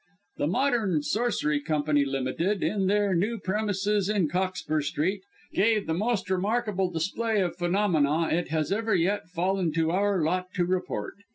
"The Modern Sorcery Company Ltd., in their new premises in Cockspur Street, gave the most remarkable display of Phenomena it has ever yet fallen to our lot to report.